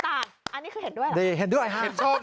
อันนี้คือเห็นด้วยหรอ